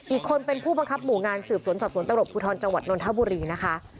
อีกคนเป็นผู้บังคับหมู่งานสืบสวนสอบสวนตำรวจภูทรจังหวัดนนทบุรีนะคะ